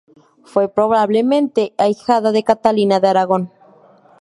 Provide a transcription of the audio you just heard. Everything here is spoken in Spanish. Fue probablemente ahijada de Catalina de Aragón.